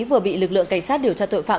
vừa bị lực lượng cảnh sát điều tra tội phạm